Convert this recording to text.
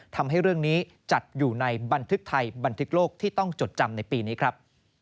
ทำให้เรื่องนี้จัดอยู่ในบันทึกไทยบันทึกโลกที่ต้องจดจำในปีนี้ครับ